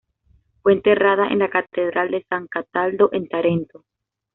Fue enterrada en la catedral de San Cataldo en Tarento.